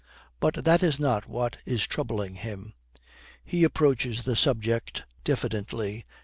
But that is not what is troubling him. He approaches the subject diffidently.